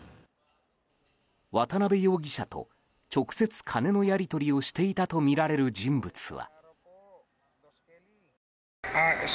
渡邉容疑者と直接金のやり取りをしていたとみられる人物は。